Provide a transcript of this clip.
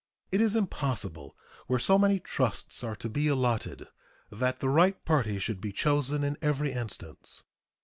It is impossible, where so many trusts are to be allotted, that the right parties should be chosen in every instance.